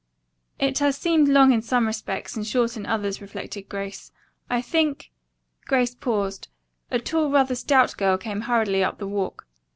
"It has seemed long in some respects and short in others," reflected Grace. "I think " Grace paused. A tall, rather stout girl came hurriedly up the walk.